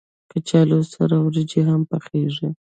کچالو سره وريجې هم پخېږي